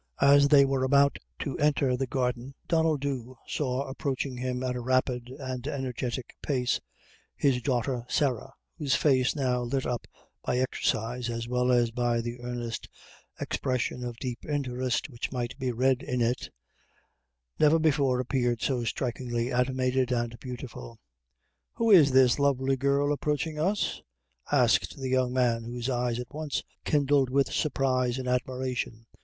As they were about to enter the garden Donnel Dhu saw approaching him at a rapid and energetic pace, his daughter Sarah, whose face, now lit up by exercise, as well as by the earnest expression of deep interest which might be read in it, never before appeared so strikingly animated and beautiful. "Who is this lovely girl approaching us?" asked the young man, whose eyes at once kindled with surprise and admiration.